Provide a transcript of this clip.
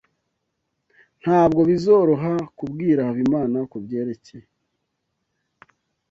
Ntabwo bizoroha kubwira Habimana kubyerekeye.